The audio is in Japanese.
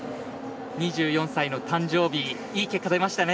２４歳の誕生日いい結果になりましたね。